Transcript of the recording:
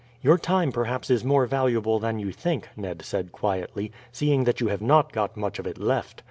"Your time perhaps is more valuable than you think," Ned said quietly, "seeing that you have not got much of it left."